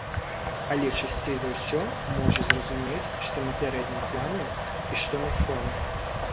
Але часцей за ўсё можа зразумець, што на пярэднім плане і што на фоне.